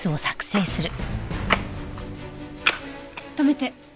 止めて。